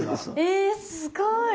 えすごい！